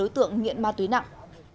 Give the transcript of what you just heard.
tượng nghiện ma túy nặng